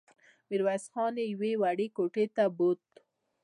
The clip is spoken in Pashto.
ميرويس خان يې يوې وړې کوټې ته بوت.